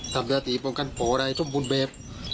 สำแพทย์ปกป้องกันป่อได้ทั้งผุมบริเวภ